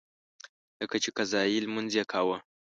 لکه چې قضایي لمونځ یې کاوه.